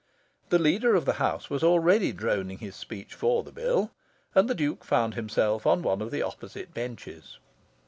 The Leader of the House was already droning his speech for the bill, and the Duke found himself on one of the opposite benches.